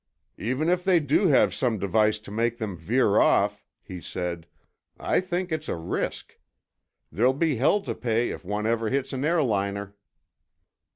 "Even if they do have some device to make them veer off," he said, "I think it's a risk. There'll be hell to pay if one ever hits an airliner."